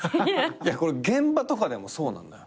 これ現場とかでもそうなのよ。